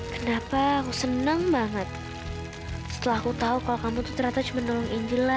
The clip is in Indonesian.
kenapa aku senang banget setelah aku tahu kalau kamu itu ternyata cuma nolong angela